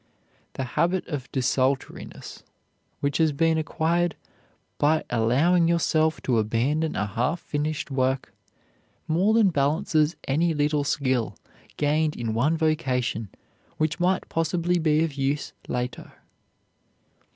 The habit of desultoriness, which has been acquired by allowing yourself to abandon a half finished work, more than balances any little skill gained in one vocation which might possibly be of use later.